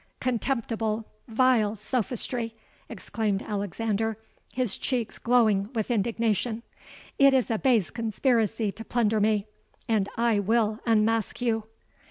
'—'Contemptible, vile sophistry!' exclaimed Alexander, his cheeks glowing with indignation. 'It is a base conspiracy to plunder me; and I will unmask you!'